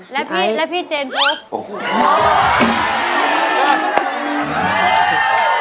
และพี่เจนครบ